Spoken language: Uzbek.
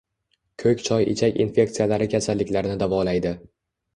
Ko‘k choy ichak infeksiyalari kasalliklarini davolaydi.